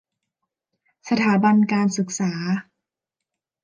สถาบันการศึกษา